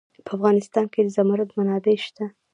په افغانستان کې د زمرد منابع شته.